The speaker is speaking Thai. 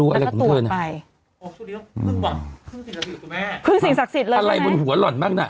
อะไรของเธอน่ะพึ่งสินศักดิ์สิทธิ์เลยใช่ไหมอะไรบนหัวหล่อนมากน่ะ